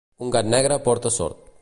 Un gat negre porta sort.